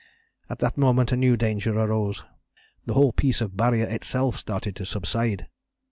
At that moment a new danger arose. The whole piece of Barrier itself started to subside.